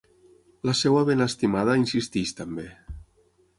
La seva ben estimada insisteix també.